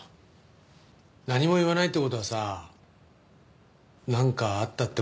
何も言わないって事はさなんかあったって事でしょ？